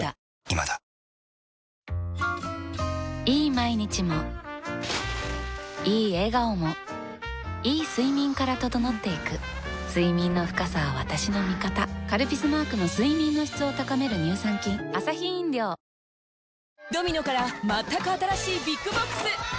毎日もいい笑顔もいい睡眠から整っていく睡眠の深さは私の味方「カルピス」マークの睡眠の質を高める乳酸菌何でも応援しちゃう